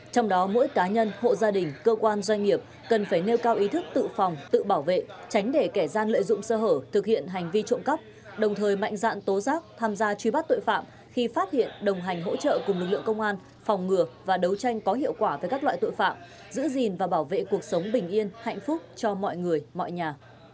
trong đó mỗi cá nhân hộ gia đình cơ quan doanh nghiệp cần phải nêu cao ý thức tự phòng tự bảo vệ tránh để kẻ gian lợi dụng sơ hở thực hiện hành vi trộm cắp đồng thời mạnh dạn tố giác tham gia truy bắt tội phạm khi phát hiện đồng hành hỗ trợ cùng lực lượng công an phòng ngừa và đấu tranh có hiệu quả với các loại tội phạm giữ gìn và bảo vệ cuộc sống bình yên hạnh phúc cho mọi người mọi nhà